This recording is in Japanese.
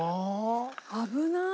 危ない！